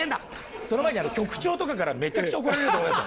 その前に局長とかから、めちゃくちゃ怒られると思いますよ。